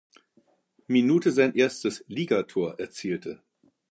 Minute sein erstes Ligator erzielte.